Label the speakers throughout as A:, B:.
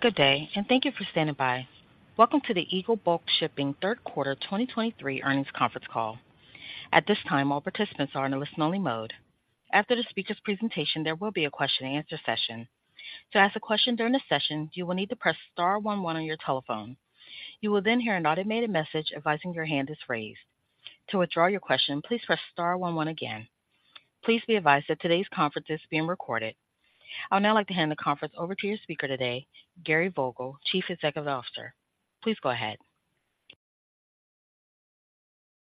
A: Good day, and thank you for standing by. Welcome to the Eagle Bulk Shipping third quarter 2023 earnings conference call. At this time, all participants are in a listen-only mode. After the speaker's presentation, there will be a question-and-answer session. To ask a question during the session, you will need to press star one one on your telephone. You will then hear an automated message advising your hand is raised. To withdraw your question, please press star one one again. Please be advised that today's conference is being recorded. I would now like to hand the conference over to your speaker today, Gary Vogel, Chief Executive Officer. Please go ahead.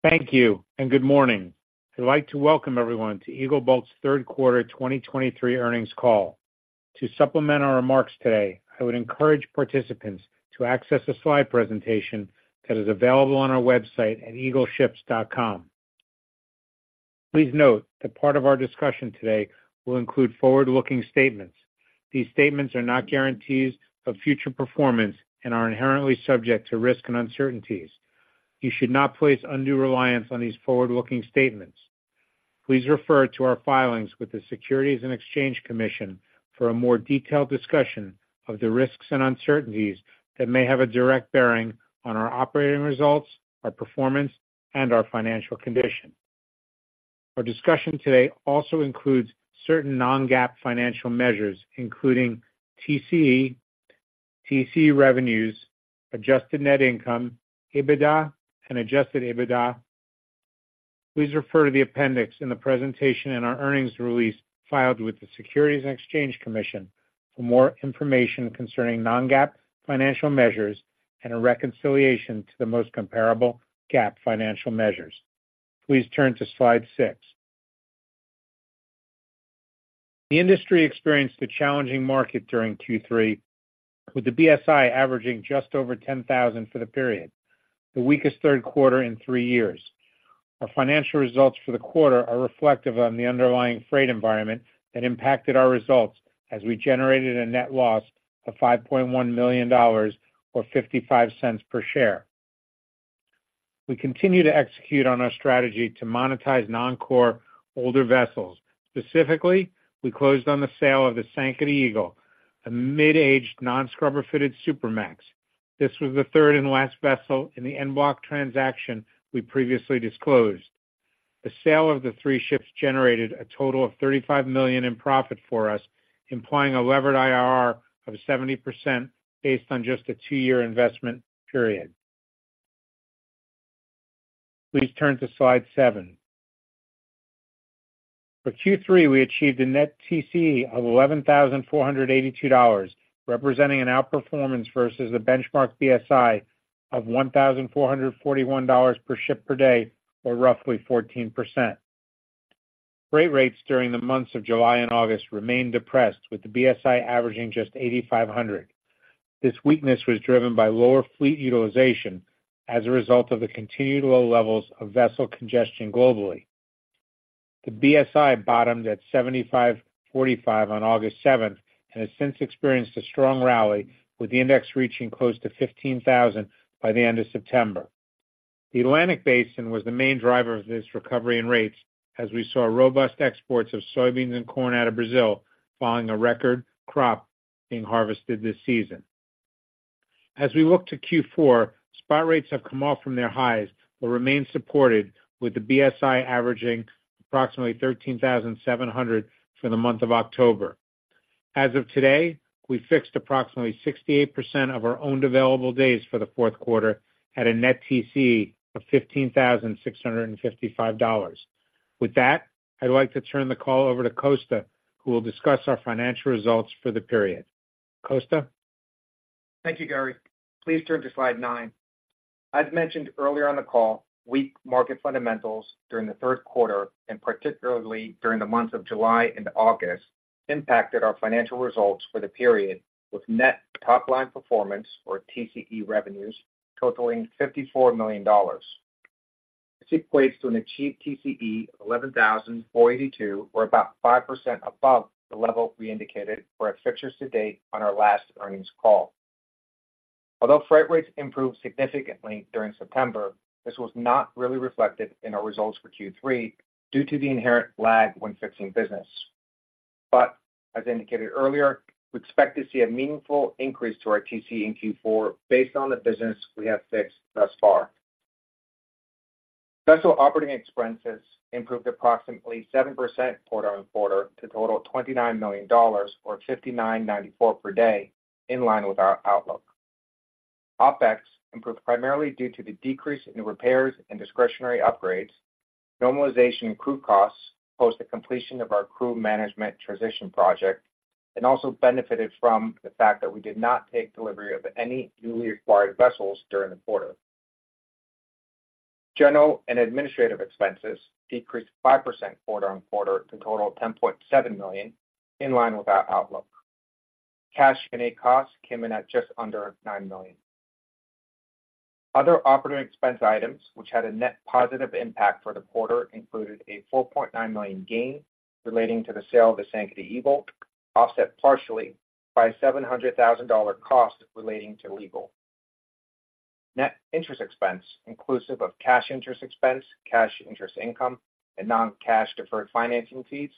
B: Thank you and good morning. I'd like to welcome everyone to Eagle Bulk's third quarter 2023 earnings call. To supplement our remarks today, I would encourage participants to access a slide presentation that is available on our website at eagleships.com. Please note that part of our discussion today will include forward-looking statements. These statements are not guarantees of future performance and are inherently subject to risks and uncertainties. You should not place undue reliance on these forward-looking statements. Please refer to our filings with the Securities and Exchange Commission for a more detailed discussion of the risks and uncertainties that may have a direct bearing on our operating results, our performance, and our financial condition. Our discussion today also includes certain non-GAAP financial measures, including TCE, TCE revenues, adjusted net income, EBITDA, and adjusted EBITDA. Please refer to the appendix in the presentation and our earnings release filed with the Securities and Exchange Commission for more information concerning non-GAAP financial measures and a reconciliation to the most comparable GAAP financial measures. Please turn to slide 6. The industry experienced a challenging market during Q3, with the BSI averaging just over 10,000 for the period, the weakest third quarter in three years. Our financial results for the quarter are reflective on the underlying freight environment that impacted our results as we generated a net loss of $5.1 million or $0.55 per share. We continue to execute on our strategy to monetize non-core older vessels. Specifically, we closed on the sale of the Sankaty Eagle, a mid-aged, non-scrubber-fitted Supramax. This was the third and last vessel in the en bloc transaction we previously disclosed. The sale of the three ships generated a total of $35 million in profit for us, implying a levered IRR of 70% based on just a two-year investment period. Please turn to slide 7. For Q3, we achieved a net TCE of $11,482, representing an outperformance versus the benchmark BSI of $1,441 per ship per day, or roughly 14%. Freight rates during the months of July and August remained depressed, with the BSI averaging just 8,500. This weakness was driven by lower fleet utilization as a result of the continued low levels of vessel congestion globally. The BSI bottomed at 7,545 on August 7 and has since experienced a strong rally, with the index reaching close to 15,000 by the end of September. The Atlantic Basin was the main driver of this recovery in rates, as we saw robust exports of soybeans and corn out of Brazil following a record crop being harvested this season. As we look to Q4, spot rates have come off from their highs but remain supported, with the BSI averaging approximately 13,700 for the month of October. As of today, we fixed approximately 68% of our owned available days for the fourth quarter at a net TCE of $15,655. With that, I'd like to turn the call over to Costa, who will discuss our financial results for the period. Costa?
C: Thank you, Gary. Please turn to slide 9. As mentioned earlier on the call, weak market fundamentals during the third quarter, and particularly during the months of July and August, impacted our financial results for the period, with net top-line performance or TCE revenues totaling $54 million. This equates to an achieved TCE of 11,482, or about 5% above the level we indicated for our fixtures to date on our last earnings call. Although freight rates improved significantly during September, this was not really reflected in our results for Q3 due to the inherent lag when fixing business. But as indicated earlier, we expect to see a meaningful increase to our TCE in Q4 based on the business we have fixed thus far. Vessel operating expenses improved approximately 7% quarter-over-quarter to total $29 million, or $59.94 per day, in line with our outlook. OpEx improved primarily due to the decrease in repairs and discretionary upgrades, normalization in crew costs post the completion of our crew management transition project, and also benefited from the fact that we did not take delivery of any newly acquired vessels during the quarter. General and administrative expenses decreased 5% quarter-over-quarter to total $10.7 million, in line with our outlook. Cash G&A costs came in at just under $9 million. Other operating expense items, which had a net positive impact for the quarter, included a $4.9 million gain relating to the sale of the Sankaty Eagle, offset partially by a $700,000 cost relating to legal. Net interest expense, inclusive of cash interest expense, cash interest income, and non-cash deferred financing fees,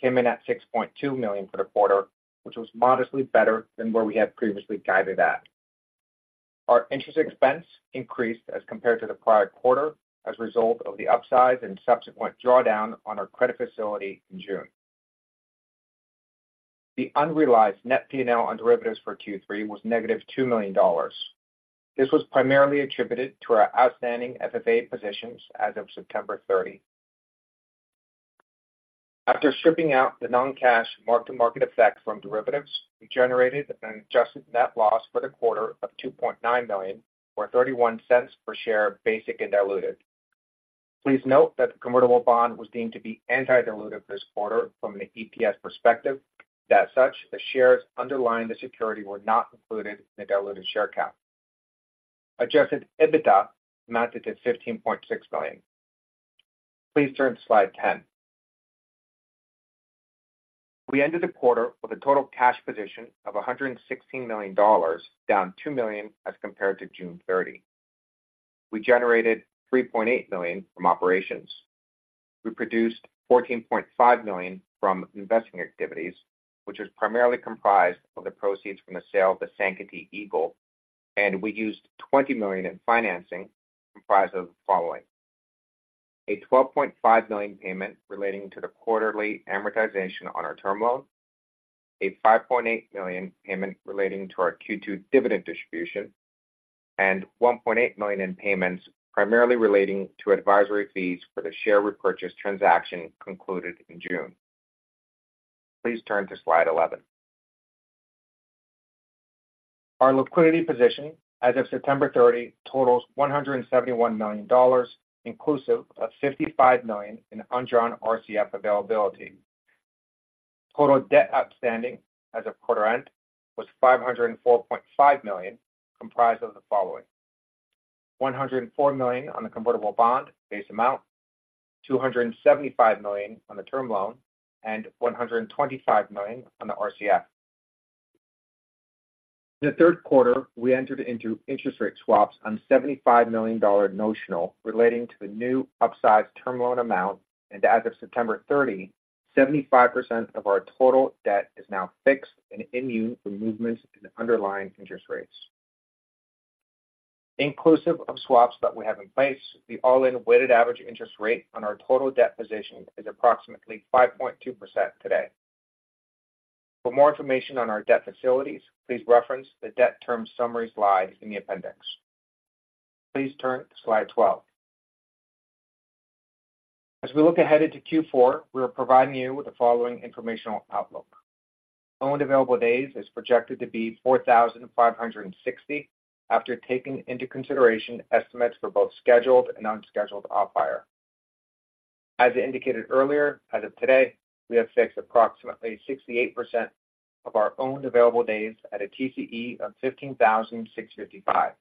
C: came in at $6.2 million for the quarter, which was modestly better than where we had previously guided at. Our interest expense increased as compared to the prior quarter as a result of the upsize and subsequent drawdown on our credit facility in June. The unrealized net P&L on derivatives for Q3 was -$2 million. This was primarily attributed to our outstanding FFA positions as of September 30. After stripping out the non-cash mark-to-market effect from derivatives, we generated an adjusted net loss for the quarter of $2.9 million, or $0.31 per share, basic and diluted. Please note that the convertible bond was deemed to be anti-dilutive this quarter from an EPS perspective. As such, the shares underlying the security were not included in the diluted share count. Adjusted EBITDA amounted to $15.6 million. Please turn to slide 10. We ended the quarter with a total cash position of $116 million, down $2 million as compared to June 30. We generated $3.8 million from operations. We produced $14.5 million from investing activities, which was primarily comprised of the proceeds from the sale of the Sankaty Eagle, and we used $20 million in financing, comprised of the following: a $12.5 million payment relating to the quarterly amortization on our term loan, a $5.8 million payment relating to our Q2 dividend distribution, and $1.8 million in payments primarily relating to advisory fees for the share repurchase transaction concluded in June. Please turn to slide 11. Our liquidity position as of September 30 totals $171 million, inclusive of $55 million in undrawn RCF availability. Total debt outstanding as of quarter end was $504.5 million, comprised of the following: $104 million on the convertible bond face amount, $275 million on the term loan, and $125 million on the RCF. In the third quarter, we entered into interest rate swaps on $75 million notional relating to the new upsized term loan amount, and as of September 30, 75% of our total debt is now fixed and immune from movements in underlying interest rates. Inclusive of swaps that we have in place, the all-in weighted average interest rate on our total debt position is approximately 5.2% today. For more information on our debt facilities, please reference the debt term summary slide in the appendix. Please turn to slide 12. As we look ahead into Q4, we are providing you with the following informational outlook. Owned available days is projected to be 4,560 after taking into consideration estimates for both scheduled and unscheduled off-hire. As indicated earlier, as of today, we have fixed approximately 68% of our owned available days at a TCE of $15,655.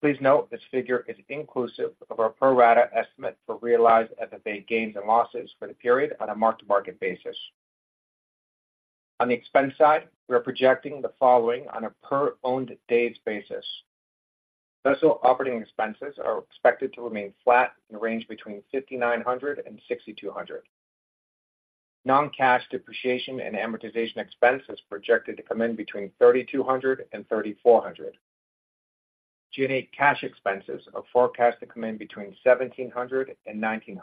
C: Please note, this figure is inclusive of our pro rata estimate for realized FFA gains and losses for the period on a mark-to-market basis. On the expense side, we are projecting the following on a per-owned days basis. Vessel operating expenses are expected to remain flat and range between $5,900 and $6,200. Non-cash depreciation and amortization expense is projected to come in between $3,200 and $3,400. G&A cash expenses are forecast to come in between $1,700 and $1,900.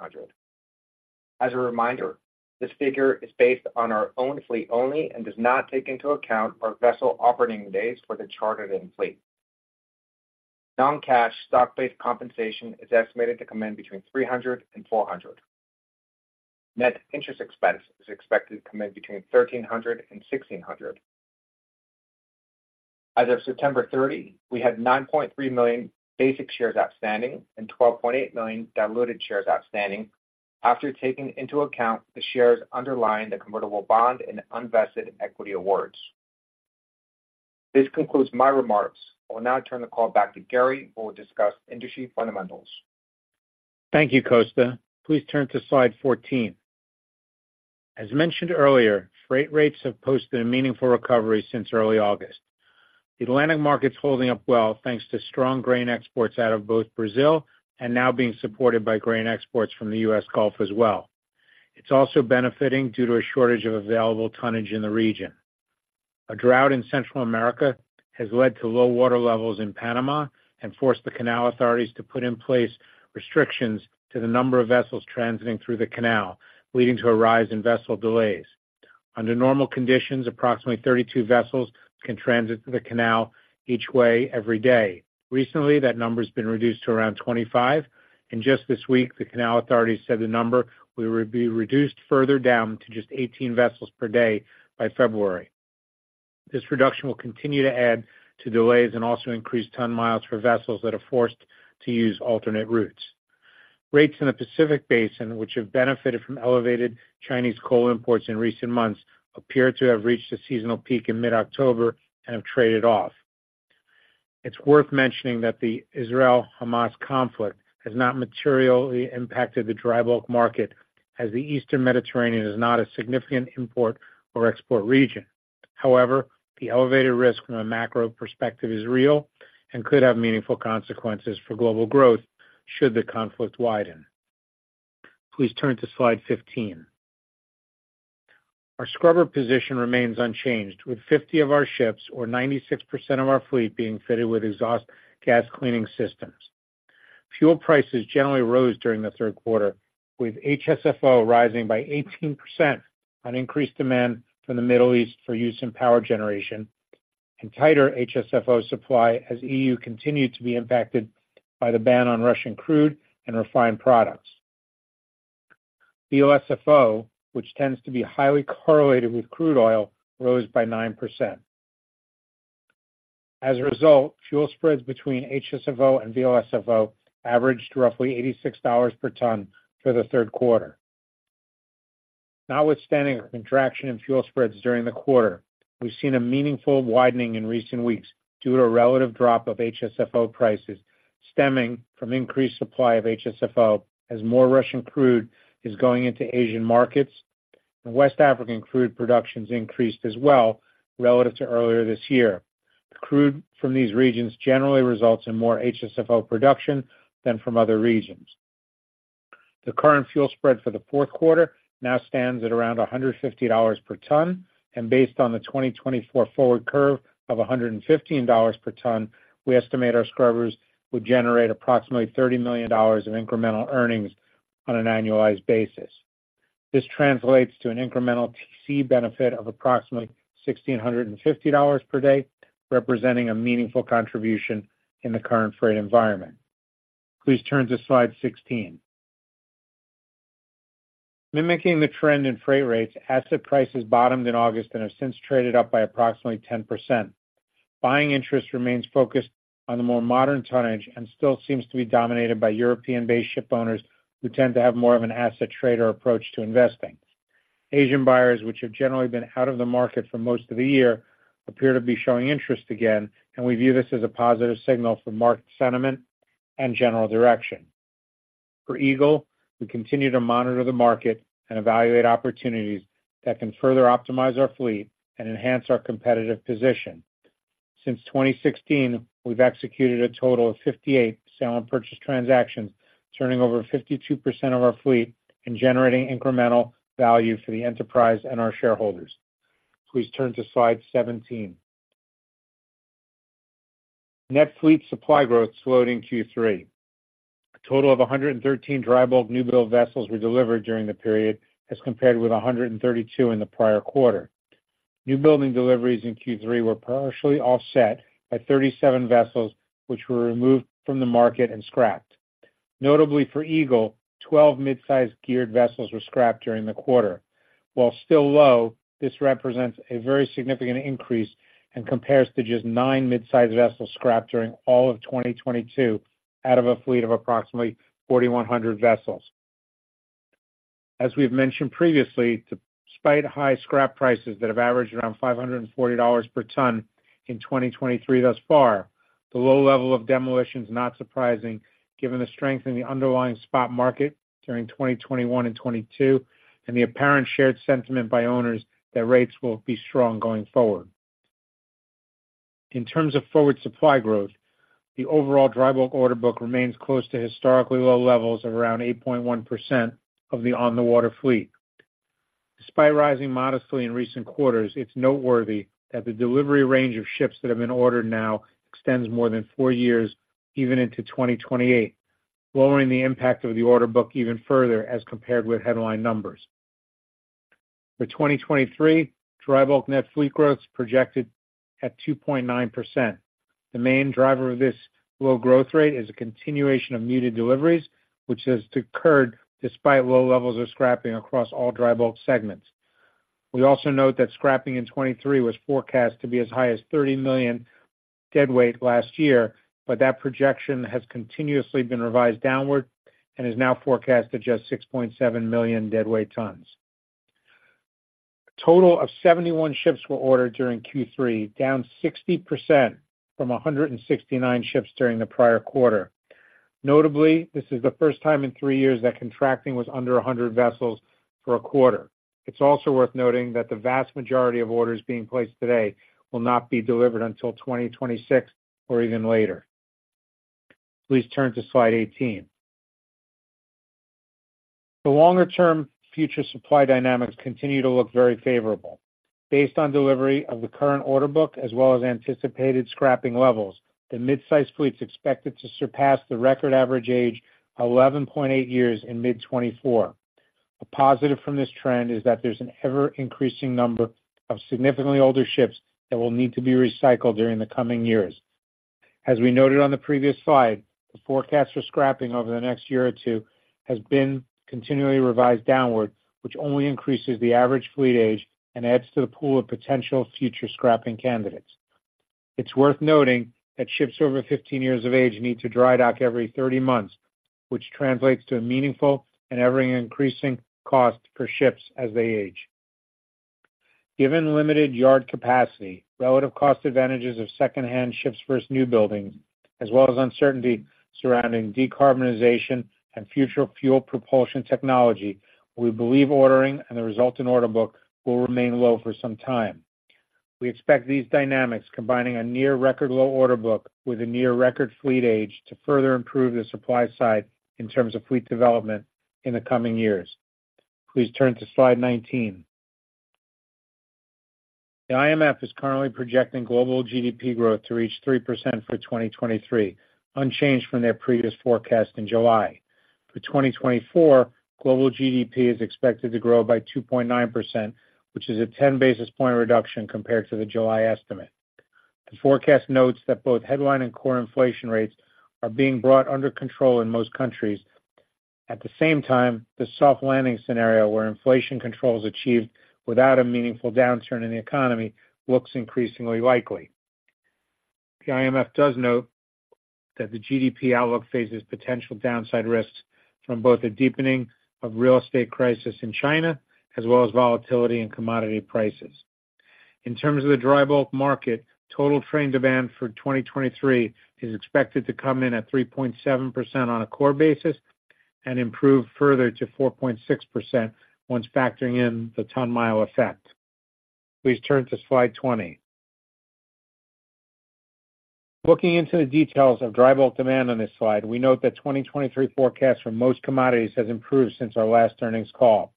C: As a reminder, this figure is based on our own fleet only and does not take into account our vessel operating days for the chartered-in fleet. Non-cash stock-based compensation is estimated to come in between $300 and $400. Net interest expense is expected to come in between $1,300 and $1,600. As of September 30, we had 9.3 million basic shares outstanding and 12.8 million diluted shares outstanding, after taking into account the shares underlying the convertible bond and unvested equity awards. This concludes my remarks. I will now turn the call back to Gary, who will discuss industry fundamentals.
B: Thank you, Costa. Please turn to slide 14. As mentioned earlier, freight rates have posted a meaningful recovery since early August. The Atlantic market is holding up well, thanks to strong grain exports out of both Brazil and now being supported by grain exports from the U.S. Gulf as well. It's also benefiting due to a shortage of available tonnage in the region. A drought in Central America has led to low water levels in Panama and forced the Canal authorities to put in place restrictions to the number of vessels transiting through the canal, leading to a rise in vessel delays. Under normal conditions, approximately 32 vessels can transit through the canal each way, every day. Recently, that number has been reduced to around 25, and just this week, the Canal Authority said the number will be reduced further down to just 18 vessels per day by February. This reduction will continue to add to delays and also increase ton-miles for vessels that are forced to use alternate routes. Rates in the Pacific Basin, which have benefited from elevated Chinese coal imports in recent months, appear to have reached a seasonal peak in mid-October and have traded off. It's worth mentioning that the Israel-Hamas conflict has not materially impacted the dry bulk market... as the Eastern Mediterranean is not a significant import or export region. However, the elevated risk from a macro perspective is real and could have meaningful consequences for global growth should the conflict widen. Please turn to slide 15. Our scrubber position remains unchanged, with 50 of our ships, or 96% of our fleet, being fitted with exhaust gas cleaning systems. Fuel prices generally rose during the third quarter, with HSFO rising by 18% on increased demand from the Middle East for use in power generation and tighter HSFO supply as EU continued to be impacted by the ban on Russian crude and refined products. VLSFO, which tends to be highly correlated with crude oil, rose by 9%. As a result, fuel spreads between HSFO and VLSFO averaged roughly $86 per ton for the third quarter. Notwithstanding a contraction in fuel spreads during the quarter, we've seen a meaningful widening in recent weeks due to a relative drop of HSFO prices, stemming from increased supply of HSFO, as more Russian crude is going into Asian markets, and West African crude production has increased as well relative to earlier this year. The crude from these regions generally results in more HSFO production than from other regions. The current fuel spread for the fourth quarter now stands at around $150 per ton, and based on the 2024 forward curve of $115 per ton, we estimate our scrubbers would generate approximately $30 million of incremental earnings on an annualized basis. This translates to an incremental TC benefit of approximately $1,650 per day, representing a meaningful contribution in the current freight environment. Please turn to slide 16. Mimicking the trend in freight rates, asset prices bottomed in August and have since traded up by approximately 10%. Buying interest remains focused on the more modern tonnage and still seems to be dominated by European-based shipowners, who tend to have more of an asset trader approach to investing. Asian buyers, which have generally been out of the market for most of the year, appear to be showing interest again, and we view this as a positive signal for market sentiment and general direction. For Eagle, we continue to monitor the market and evaluate opportunities that can further optimize our fleet and enhance our competitive position. Since 2016, we've executed a total of 58 sale and purchase transactions, turning over 52% of our fleet and generating incremental value for the enterprise and our shareholders. Please turn to slide 17. Net fleet supply growth slowed in Q3. A total of 113 dry bulk newbuild vessels were delivered during the period, as compared with 132 in the prior quarter. Newbuilding deliveries in Q3 were partially offset by 37 vessels, which were removed from the market and scrapped. Notably for Eagle, 12 mid-sized geared vessels were scrapped during the quarter. While still low, this represents a very significant increase and compares to just nine mid-sized vessels scrapped during all of 2022, out of a fleet of approximately 4,100 vessels. As we've mentioned previously, despite high scrap prices that have averaged around $540 per ton in 2023 thus far, the low level of demolition is not surprising, given the strength in the underlying spot market during 2021 and 2022, and the apparent shared sentiment by owners that rates will be strong going forward. In terms of forward supply growth, the overall dry bulk order book remains close to historically low levels of around 8.1% of the on-the-water fleet. Despite rising modestly in recent quarters, it's noteworthy that the delivery range of ships that have been ordered now extends more than four years, even into 2028, lowering the impact of the order book even further as compared with headline numbers. For 2023, dry bulk net fleet growth is projected at 2.9%. The main driver of this low growth rate is a continuation of muted deliveries, which has occurred despite low levels of scrapping across all dry bulk segments. We also note that scrapping in 2023 was forecast to be as high as 30 million deadweight last year, but that projection has continuously been revised downward and is now forecast at just 6.7 million deadweight tons. A total of 71 ships were ordered during Q3, down 60% from 169 ships during the prior quarter. Notably, this is the first time in three years that contracting was under 100 vessels for a quarter. It's also worth noting that the vast majority of orders being placed today will not be delivered until 2026 or even later. Please turn to slide 18. The longer-term future supply dynamics continue to look very favorable. Based on delivery of the current order book, as well as anticipated scrapping levels, the midsize fleet is expected to surpass the record average age of 11.8 years in mid-2024. A positive from this trend is that there's an ever-increasing number of significantly older ships that will need to be recycled during the coming years. As we noted on the previous slide, the forecast for scrapping over the next year or two has been continually revised downward, which only increases the average fleet age and adds to the pool of potential future scrapping candidates. It's worth noting that ships over 15 years of age need to dry dock every 30 months, which translates to a meaningful and ever-increasing cost for ships as they age. Given limited yard capacity, relative cost advantages of secondhand ships versus newbuildings, as well as uncertainty surrounding decarbonization and future fuel propulsion technology, we believe ordering and the resulting order book will remain low for some time. We expect these dynamics, combining a near record low order book with a near record fleet age, to further improve the supply side in terms of fleet development in the coming years. Please turn to slide 19. The IMF is currently projecting global GDP growth to reach 3% for 2023, unchanged from their previous forecast in July. For 2024, global GDP is expected to grow by 2.9%, which is a 10 basis point reduction compared to the July estimate. The forecast notes that both headline and core inflation rates are being brought under control in most countries. At the same time, the soft landing scenario, where inflation control is achieved without a meaningful downturn in the economy, looks increasingly likely. The IMF does note that the GDP outlook faces potential downside risks from both the deepening of real estate crisis in China, as well as volatility in commodity prices. In terms of the dry bulk market, total trade demand for 2023 is expected to come in at 3.7% on a core basis and improve further to 4.6% once factoring in the ton-mile effect. Please turn to slide 20. Looking into the details of dry bulk demand on this slide, we note that 2023 forecast for most commodities has improved since our last earnings call.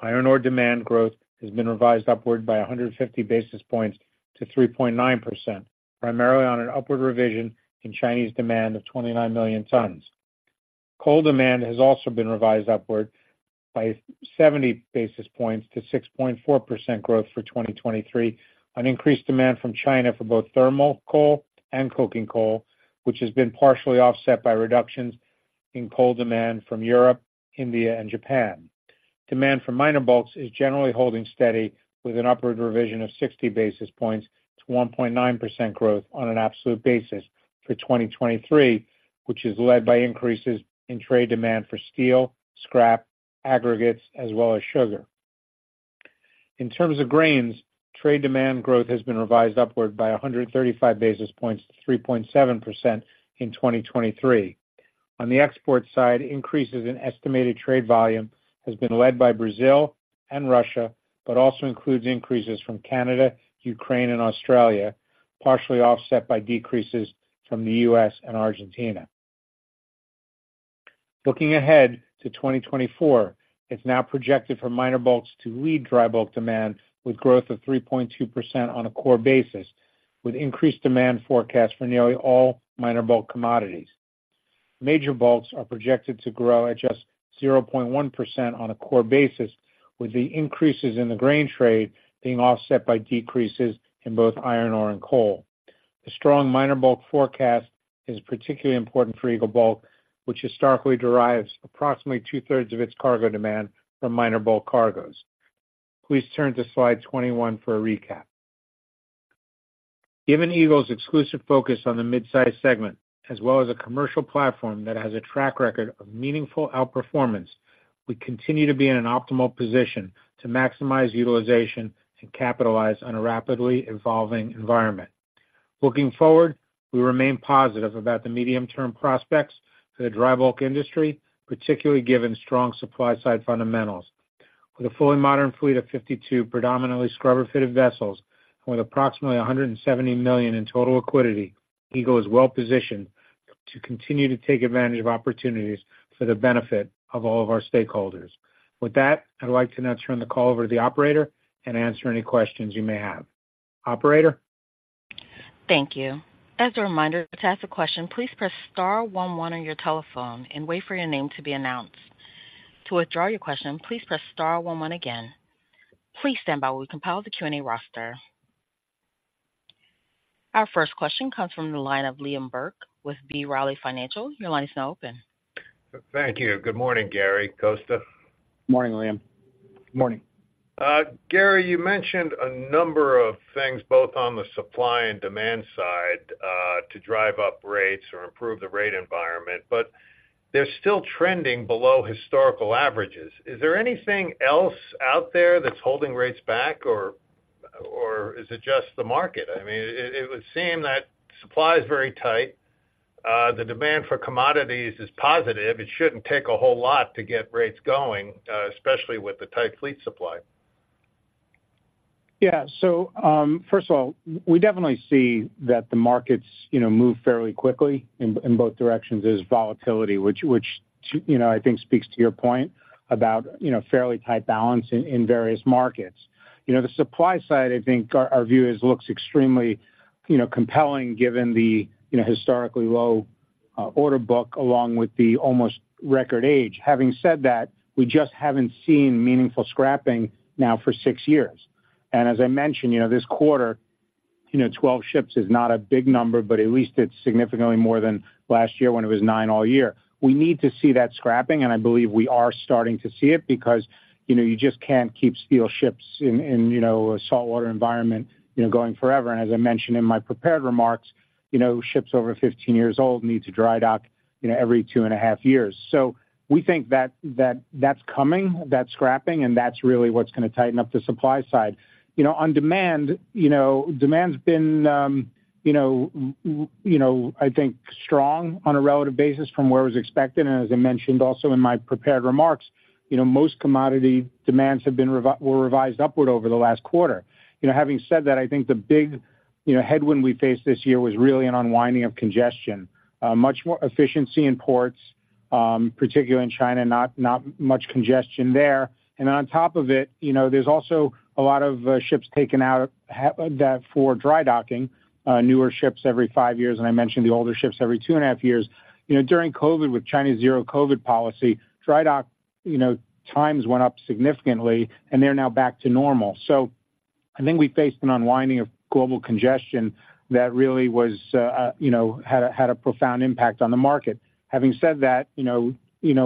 B: Iron ore demand growth has been revised upward by 150 basis points to 3.9%, primarily on an upward revision in Chinese demand of 29 million tons. Coal demand has also been revised upward by 70 basis points to 6.4% growth for 2023, on increased demand from China for both thermal coal and coking coal, which has been partially offset by reductions in coal demand from Europe, India and Japan. Demand for minor bulks is generally holding steady, with an upward revision of 60 basis points to 1.9% growth on an absolute basis for 2023, which is led by increases in trade demand for steel, scrap, aggregates, as well as sugar. In terms of grains, trade demand growth has been revised upward by 135 basis points to 3.7% in 2023. On the export side, increases in estimated trade volume has been led by Brazil and Russia, but also includes increases from Canada, Ukraine, and Australia, partially offset by decreases from the U.S. and Argentina. Looking ahead to 2024, it's now projected for minor bulks to lead dry bulk demand with growth of 3.2% on a core basis, with increased demand forecast for nearly all minor bulk commodities. Major bulks are projected to grow at just 0.1% on a core basis, with the increases in the grain trade being offset by decreases in both iron ore and coal. The strong minor bulk forecast is particularly important for Eagle Bulk, which historically derives approximately 2/3 of its cargo demand from minor bulk cargoes. Please turn to slide 21 for a recap. Given Eagle's exclusive focus on the mid-size segment, as well as a commercial platform that has a track record of meaningful outperformance, we continue to be in an optimal position to maximize utilization and capitalize on a rapidly evolving environment. Looking forward, we remain positive about the medium-term prospects for the dry bulk industry, particularly given strong supply side fundamentals. With a fully modern fleet of 52 predominantly scrubber-fitted vessels and with approximately $170 million in total liquidity, Eagle is well positioned to continue to take advantage of opportunities for the benefit of all of our stakeholders. With that, I'd like to now turn the call over to the operator and answer any questions you may have. Operator?
A: Thank you. As a reminder, to ask a question, please press star one one on your telephone and wait for your name to be announced. To withdraw your question, please press star one one again. Please stand by while we compile the Q&A roster. Our first question comes from the line of Liam Burke with B. Riley Financial. Your line is now open.
D: Thank you. Good morning, Gary, Costa.
B: Morning, Liam.
C: Good morning.
D: Gary, you mentioned a number of things, both on the supply and demand side, to drive up rates or improve the rate environment, but they're still trending below historical averages. Is there anything else out there that's holding rates back, or is it just the market? I mean, it would seem that supply is very tight. The demand for commodities is positive. It shouldn't take a whole lot to get rates going, especially with the tight fleet supply.
B: Yeah. So, first of all, we definitely see that the markets, you know, move fairly quickly in both directions. There's volatility, which you know, I think speaks to your point about, you know, fairly tight balance in various markets. You know, the supply side, I think our view looks extremely, you know, compelling, given the, you know, historically low order book, along with the almost record age. Having said that, we just haven't seen meaningful scrapping now for six years. And as I mentioned, you know, this quarter... You know, 12 ships is not a big number, but at least it's significantly more than last year when it was nine all year. We need to see that scrapping, and I believe we are starting to see it because, you know, you just can't keep steel ships in a saltwater environment, you know, going forever. As I mentioned in my prepared remarks, you know, ships over 15 years old need to dry dock, you know, every 2.5 years. We think that's coming, that scrapping, and that's really what's gonna tighten up the supply side. You know, on demand, you know, demand's been, you know, you know, I think, strong on a relative basis from where it was expected. As I mentioned also in my prepared remarks, you know, most commodity demands have been were revised upward over the last quarter. You know, having said that, I think the big, you know, headwind we faced this year was really an unwinding of congestion. Much more efficiency in ports, particularly in China, not much congestion there. And on top of it, you know, there's also a lot of ships taken out for dry docking, newer ships every five years, and I mentioned the older ships every two and a half years. You know, during COVID, with China's Zero COVID policy, dry dock times went up significantly, and they're now back to normal. So I think we faced an unwinding of global congestion that really was, you know, had a profound impact on the market. Having said that, you know,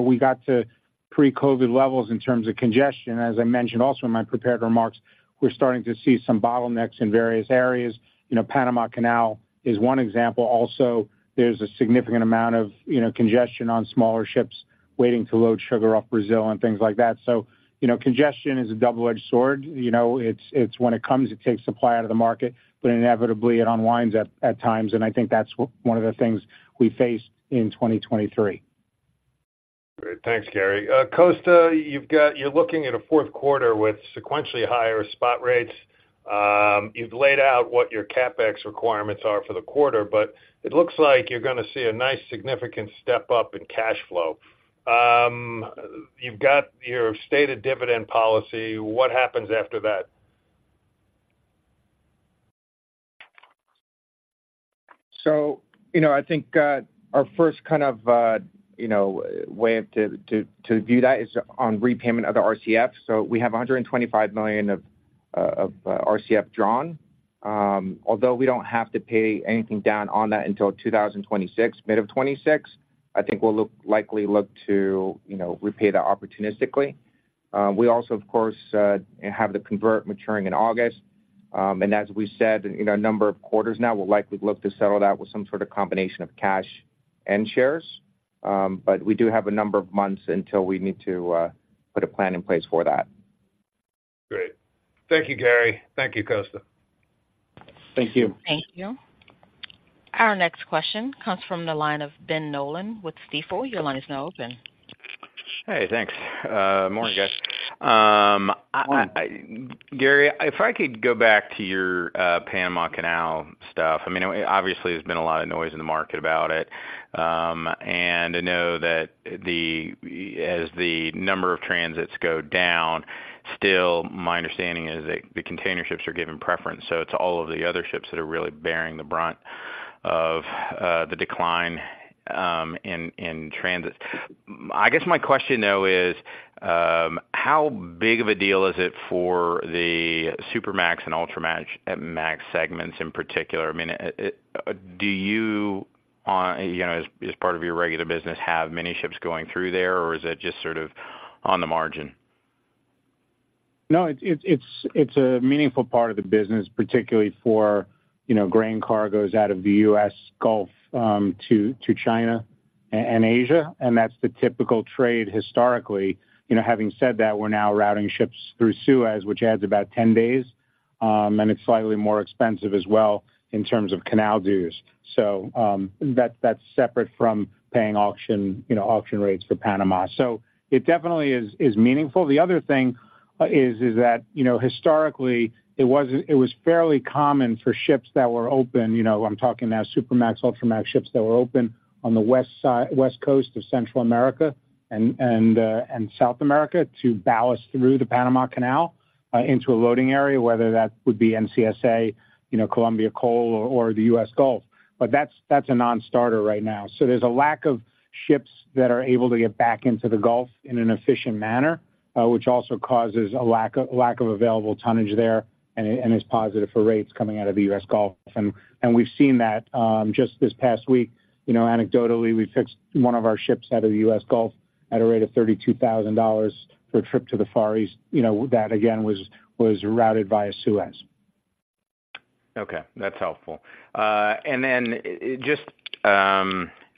B: we got to pre-COVID levels in terms of congestion. As I mentioned also in my prepared remarks, we're starting to see some bottlenecks in various areas. You know, Panama Canal is one example. Also, there's a significant amount of, you know, congestion on smaller ships waiting to load sugar off Brazil and things like that. So, you know, congestion is a double-edged sword. You know, it's, it's when it comes, it takes supply out of the market, but inevitably it unwinds at, at times, and I think that's one of the things we faced in 2023.
D: Great. Thanks, Gary. Costa, you've got... You're looking at a fourth quarter with sequentially higher spot rates. You've laid out what your CapEx requirements are for the quarter, but it looks like you're gonna see a nice, significant step-up in cash flow. You've got your stated dividend policy. What happens after that?
C: So, you know, I think, our first kind of, you know, way to view that is on repayment of the RCF. So we have $125 million of RCF drawn. Although we don't have to pay anything down on that until 2026, mid-2026, I think we'll likely look to, you know, repay that opportunistically. We also, of course, have the convert maturing in August. And as we said, in a number of quarters now, we'll likely look to settle that with some sort of combination of cash and shares. But we do have a number of months until we need to put a plan in place for that.
D: Great. Thank you, Gary. Thank you, Costa.
C: Thank you.
A: Thank you. Our next question comes from the line of Ben Nolan with Stifel. Your line is now open.
E: Hey, thanks. Morning, guys.
D: Morning.
E: Gary, if I could go back to your Panama Canal stuff. I mean, obviously, there's been a lot of noise in the market about it. And I know that as the number of transits go down, still, my understanding is that the container ships are given preference, so it's all of the other ships that are really bearing the brunt of the decline in transits. I guess my question, though, is how big of a deal is it for the Supramax and Ultramax segments in particular? I mean, do you, you know, as part of your regular business, have many ships going through there, or is it just sort of on the margin?
B: No, it's a meaningful part of the business, particularly for, you know, grain cargos out of the U.S. Gulf, to China and Asia, and that's the typical trade historically. You know, having said that, we're now routing ships through Suez, which adds about 10 days, and it's slightly more expensive as well in terms of canal dues. So, that's separate from paying auction, you know, auction rates for Panama, so it definitely is meaningful. The other thing is that, you know, historically, it wasn't. It was fairly common for ships that were open, you know, I'm talking now Supramax, Ultramax ships that were open on the west side, west coast of Central America and South America, to ballast through the Panama Canal into a loading area, whether that would be NCSA, you know, Colombia coal or the U.S. Gulf. But that's a non-starter right now. So there's a lack of ships that are able to get back into the Gulf in an efficient manner, which also causes a lack of available tonnage there and is positive for rates coming out of the U.S. Gulf. And we've seen that just this past week. You know, anecdotally, we fixed one of our ships out of the U.S. Gulf at a rate of $32,000 for a trip to the Far East. You know, that, again, was routed via Suez.
E: Okay. That's helpful. And then just,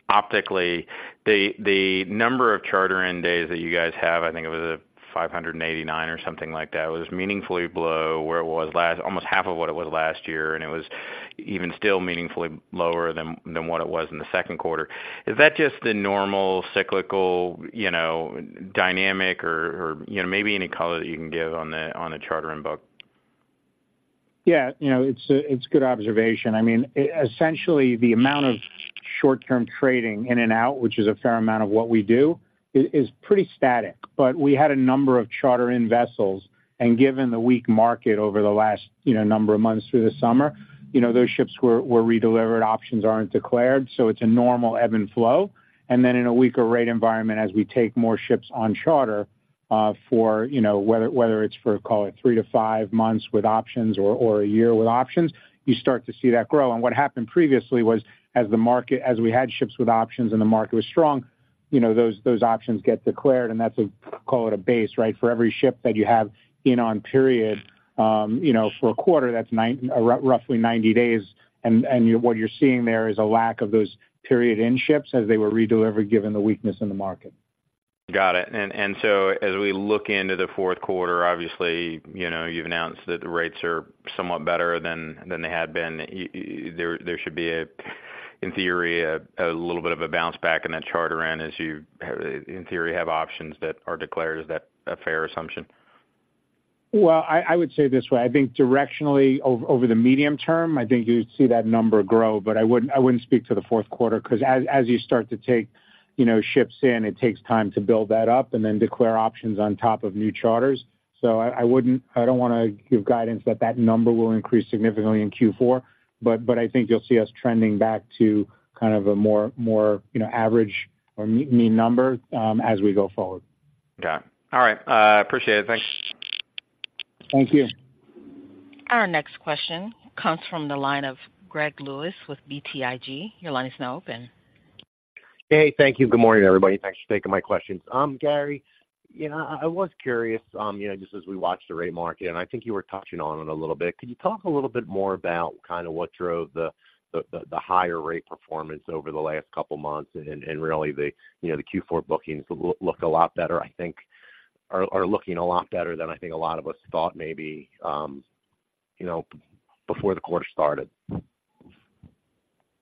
E: optically, the number of charter-in days that you guys have, I think it was 589 or something like that, was meaningfully below where it was last year. Almost half of what it was last year, and it was even still meaningfully lower than what it was in the second quarter. Is that just the normal, cyclical, you know, dynamic or, you know, maybe any color that you can give on the charter-in book?
B: Yeah. You know, it's a good observation. I mean, essentially, the amount of short-term trading in and out, which is a fair amount of what we do, is pretty static. But we had a number of charter-in vessels, and given the weak market over the last, you know, number of months through the summer, you know, those ships were redelivered. Options aren't declared, so it's a normal ebb and flow. And then in a weaker rate environment, as we take more ships on charter for, you know, whether it's for, call it, three to five months with options or a year with options, you start to see that grow. And what happened previously was, as we had ships with options and the market was strong, you know, those options get declared, and that's a, call it a base, right? For every ship that you have in on period, you know, for a quarter, that's 90, roughly 90 days. And what you're seeing there is a lack of those period-in ships as they were redelivered, given the weakness in the market.
E: Got it. And so as we look into the fourth quarter, obviously, you know, you've announced that the rates are somewhat better than they had been. There should be, in theory, a little bit of a bounce back in that charter-in as you, in theory, have options that are declared. Is that a fair assumption?
B: Well, I would say it this way: I think directionally, over the medium term, I think you'd see that number grow, but I wouldn't speak to the fourth quarter. 'Cause as you start to take, you know, ships in, it takes time to build that up and then declare options on top of new charters. So I wouldn't... I don't wanna give guidance that that number will increase significantly in Q4, but I think you'll see us trending back to kind of a more, you know, average or mean number, as we go forward.
E: Okay. All right. Appreciate it. Thanks.
B: Thank you.
A: Our next question comes from the line of Greg Lewis with BTIG. Your line is now open.
F: Hey, thank you. Good morning, everybody, and thanks for taking my questions. Gary, you know, I, I was curious, you know, just as we watch the rate market, and I think you were touching on it a little bit, could you talk a little bit more about kind of what drove the higher rate performance over the last couple months? And really, the, you know, the Q4 bookings look a lot better, I think are looking a lot better than I think a lot of us thought maybe, you know, before the quarter started.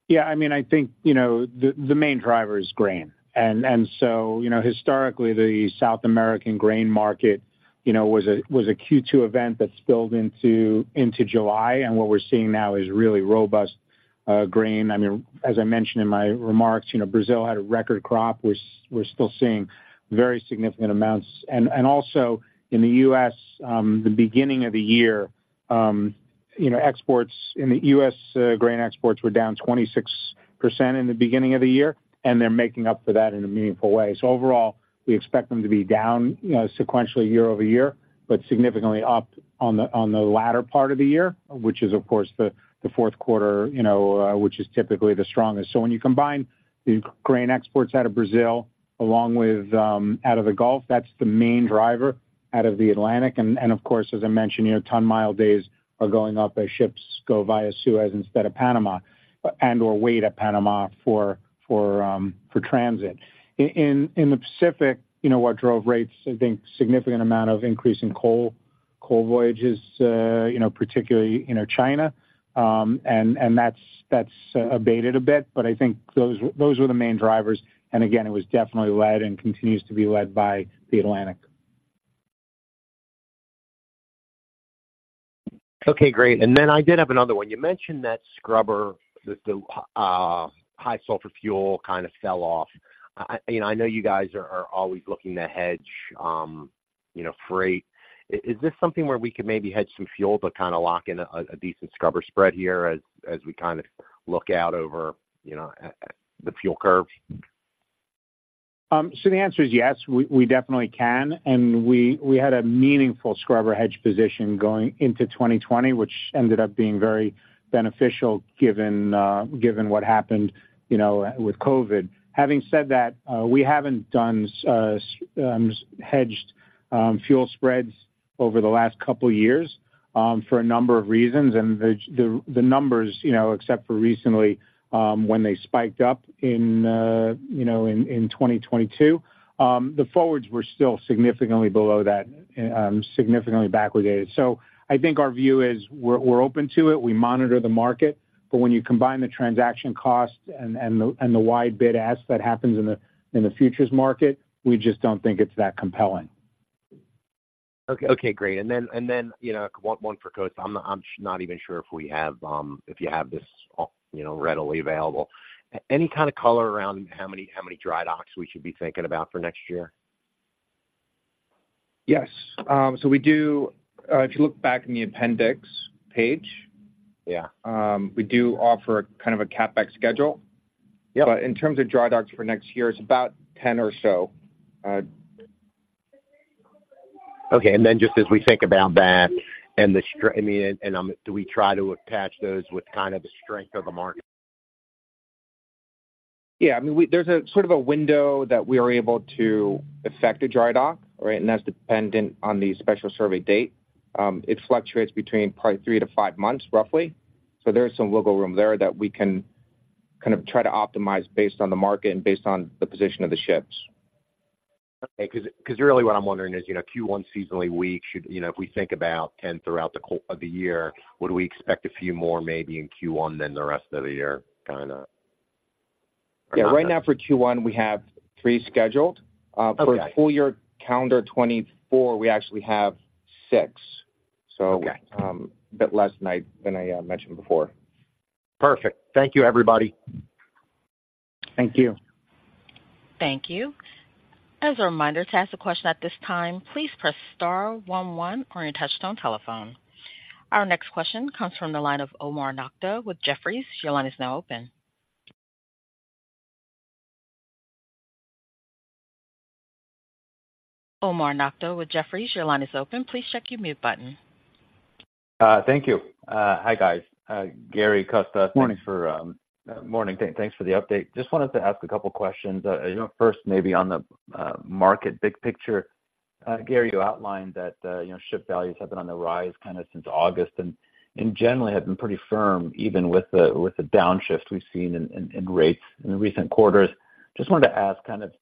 B: Yeah, I mean, I think, you know, the main driver is grain. And so, you know, historically, the South American grain market, you know, was a Q2 event that spilled into July, and what we're seeing now is really robust grain. I mean, as I mentioned in my remarks, you know, Brazil had a record crop. We're still seeing very significant amounts. And also, in the U.S., the beginning of the year, you know, exports in the U.S. grain exports were down 26% in the beginning of the year, and they're making up for that in a meaningful way. So overall, we expect them to be down, you know, sequentially year over year, but significantly up on the, on the latter part of the year, which is, of course, the, the fourth quarter, you know, which is typically the strongest. So when you combine the grain exports out of Brazil, along with, out of the Gulf, that's the main driver out of the Atlantic. And, of course, as I mentioned, you know, ton-mile days are going up as ships go via Suez instead of Panama, but and/or wait at Panama for, for, for transit. In the Pacific, you know, what drove rates, I think, significant amount of increase in coal voyages, you know, particularly in China. That's abated a bit, but I think those were the main drivers, and again, it was definitely led and continues to be led by the Atlantic.
F: Okay, great. And then I did have another one. You mentioned that scrubber, the high sulfur fuel kind of fell off. You know, I know you guys are always looking to hedge, you know, freight. Is this something where we could maybe hedge some fuel, but kind of lock in a decent scrubber spread here as we kind of look out over, you know, the fuel curve?
B: So the answer is yes, we definitely can. And we had a meaningful scrubber hedge position going into 2020, which ended up being very beneficial, given what happened, you know, with COVID. Having said that, we haven't hedged fuel spreads over the last couple years for a number of reasons. And the numbers, you know, except for recently, when they spiked up in, you know, in 2022, the forwards were still significantly below that, significantly backwardated. So I think our view is we're open to it. We monitor the market, but when you combine the transaction cost and the wide bid ask that happens in the futures market, we just don't think it's that compelling.
F: Okay, great. And then, you know, one for Costa. I'm not even sure if we have, if you have this, you know, readily available. Any kind of color around how many dry docks we should be thinking about for next year?
C: Yes. So we do... if you look back in the appendix page-
F: Yeah...
C: we do offer kind of a CapEx schedule.
F: Yeah.
C: In terms of dry docks for next year, it's about 10 or so.
F: Okay. And then just as we think about that and I mean, and, do we try to attach those with kind of the strength of the market?
C: Yeah, I mean, there's a sort of a window that we are able to affect a dry dock, right? That's dependent on the special survey date. It fluctuates between probably three to five months, roughly. There is some wiggle room there that we can kind of try to optimize based on the market and based on the position of the ships.
F: Okay, 'cause really what I'm wondering is, you know, Q1 seasonally weak. Should you know, if we think about 10 throughout the course of the year, would we expect a few more maybe in Q1 than the rest of the year, kind of?
C: Yeah. Right now for Q1, we have three scheduled.
F: Okay.
C: For full year calendar 2024, we actually have six.
F: Okay.
C: A bit less than I mentioned before.
F: Perfect. Thank you, everybody.
B: Thank you.
A: Thank you. As a reminder, to ask a question at this time, please press star one one on your touchtone telephone. Our next question comes from the line of Omar Nokta with Jefferies. Your line is now open.... Omar Nokta with Jefferies, your line is open. Please check your mute button.
G: Thank you. Hi, guys. Gary, Costa.
B: Morning.
G: Thanks... Morning. Thanks for the update. Just wanted to ask a couple questions. You know, first, maybe on the market, big picture. Gary, you outlined that, you know, ship values have been on the rise kind of since August and generally have been pretty firm, even with the downshift we've seen in rates in recent quarters. Just wanted to ask, kind of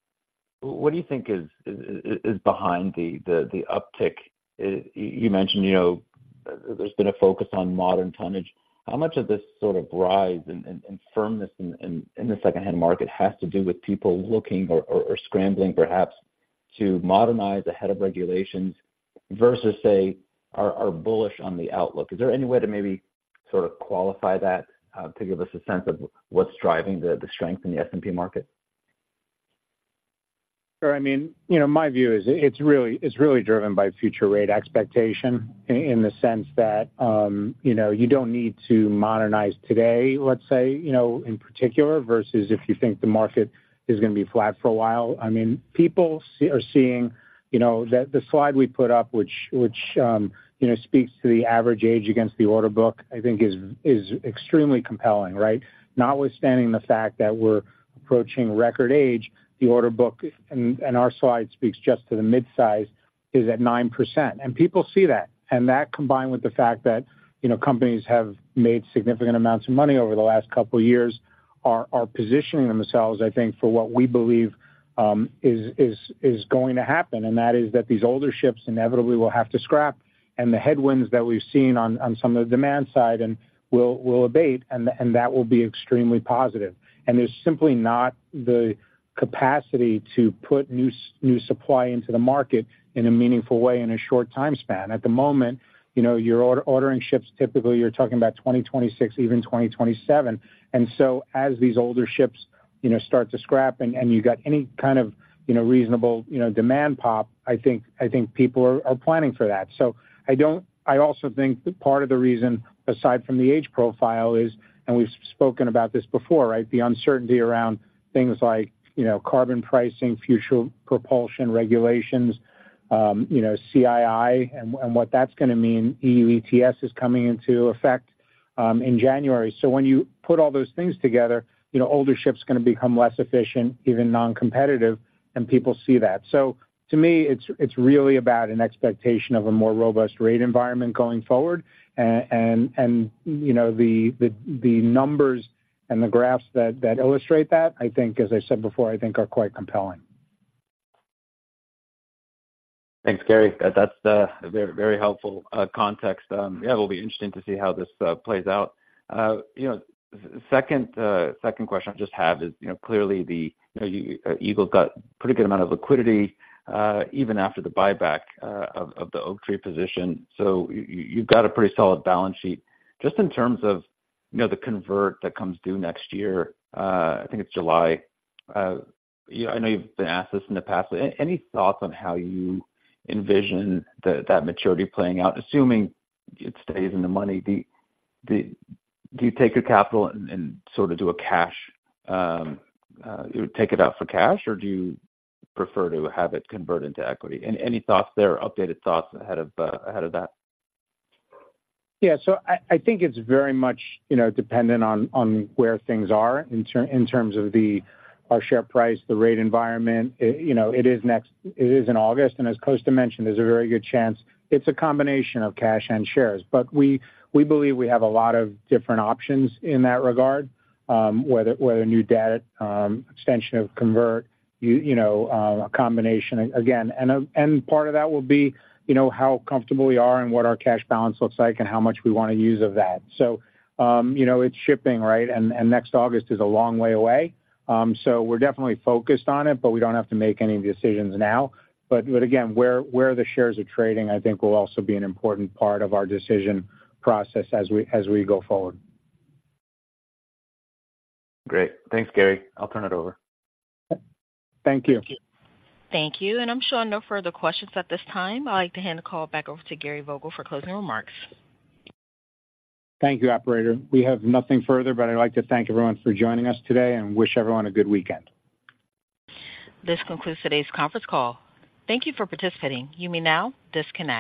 G: what do you think is behind the uptick? You mentioned, you know, there's been a focus on modern tonnage. How much of this sort of rise and firmness in the secondhand market has to do with people looking or scrambling perhaps to modernize ahead of regulations versus, say, or are bullish on the outlook? Is there any way to maybe sort of qualify that, to give us a sense of what's driving the strength in the S&P market?
B: Sure. I mean, you know, my view is it's really, it's really driven by future rate expectation in the sense that, you know, you don't need to modernize today, let's say, you know, in particular, versus if you think the market is gonna be flat for a while. I mean, people are seeing, you know... The slide we put up, which, you know, speaks to the average age against the order book, I think is extremely compelling, right? Notwithstanding the fact that we're approaching record age, the order book, and our slide speaks just to the midsize, is at 9%, and people see that. And that, combined with the fact that, you know, companies have made significant amounts of money over the last couple years, are positioning themselves, I think, for what we believe is going to happen, and that is that these older ships inevitably will have to scrap, and the headwinds that we've seen on some of the demand side will abate, and that will be extremely positive. And there's simply not the capacity to put new supply into the market in a meaningful way in a short time span. At the moment, you know, you're ordering ships, typically, you're talking about 2026, even 2027. And so as these older ships, you know, start to scrap and you've got any kind of, you know, reasonable, you know, demand pop, I think people are planning for that. So I don't—I also think that part of the reason, aside from the age profile, is, and we've spoken about this before, right? The uncertainty around things like, you know, carbon pricing, future propulsion regulations, you know, CII and what that's gonna mean. EU ETS is coming into effect in January. So when you put all those things together, you know, older ships are gonna become less efficient, even non-competitive, and people see that. So to me, it's really about an expectation of a more robust rate environment going forward. And, you know, the numbers and the graphs that illustrate that, I think, as I said before, I think are quite compelling.
G: Thanks, Gary. That's very, very helpful context. Yeah, it'll be interesting to see how this plays out. You know, second question I just have is, you know, clearly the you know Eagle got pretty good amount of liquidity, even after the buyback, of, of the Oaktree position, so you've got a pretty solid balance sheet. Just in terms of, you know, the convert that comes due next year, I think it's July. You know, I know you've been asked this in the past. Any thoughts on how you envision the that maturity playing out, assuming it stays in the money, do you take your capital and sort of do a cash take it out for cash, or do you prefer to have it convert into equity? Any thoughts there, updated thoughts ahead of that?
B: Yeah, so I think it's very much, you know, dependent on where things are in terms of our share price, the rate environment. You know, it is next August, and as Costa mentioned, there's a very good chance it's a combination of cash and shares. But we believe we have a lot of different options in that regard, whether new debt, extension of convert, you know, a combination. Again, part of that will be, you know, how comfortable we are and what our cash balance looks like and how much we want to use of that. So, you know, it's shipping, right? And next August is a long way away. So we're definitely focused on it, but we don't have to make any decisions now. But again, where the shares are trading, I think, will also be an important part of our decision process as we go forward.
G: Great. Thanks, Gary. I'll turn it over.
B: Thank you.
A: Thank you. I'm showing no further questions at this time. I'd like to hand the call back over to Gary Vogel for closing remarks.
B: Thank you, operator. We have nothing further, but I'd like to thank everyone for joining us today and wish everyone a good weekend.
A: This concludes today's conference call. Thank you for participating. You may now disconnect.